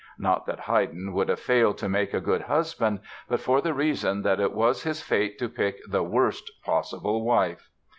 Not that Haydn would have failed to make a good husband, but for the reason that it was his fate to pick the worst possible wife.